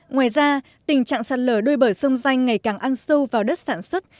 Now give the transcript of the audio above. ngoài ra tình trạng sạt lở đôi bờ sông danh ngày càng ăn sâu vào đất sản xuất